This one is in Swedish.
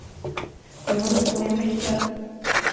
Det har hållit på i en vecka.